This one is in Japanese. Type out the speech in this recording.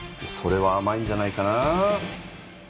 それはあまいんじゃないかな？